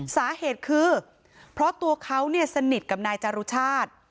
สาเหตุคือเพราะตัวเขาเนี่ยสนิทกับนายจารุชาติ